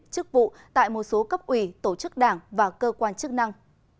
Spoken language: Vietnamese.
chức vụ tại một số cấp ủy tổ chức đảng và cơ quan chức năng